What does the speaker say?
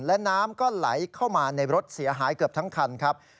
และน้ำก็ไหลเข้ามาในรถเสียหายเกือบทั้งคันครับ